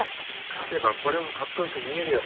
勝てばこれもかっこよく見えるよ。